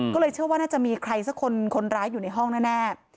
ก็เลยเชื่อว่าน่าจะมีใครสักคนคนร้ายอยู่ในห้องแน่